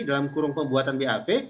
dalam kurung pembuatan bap